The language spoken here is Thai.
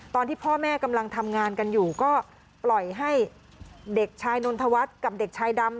ตอนที่พ่อแม่กำลังทำงานกันอยู่ก็ปล่อยให้เด็กชายนนทวัฒน์กับเด็กชายดำ